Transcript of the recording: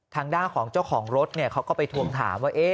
ทางด้านของเจ้าของรถเขาก็ไปทวงถามว่า